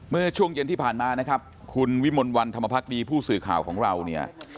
เมื่อช่วงเย็นที่ผ่านมานะครับคุณวิมลวันธรรมพักดีผู้สื่อข่าวของเราเนี่ย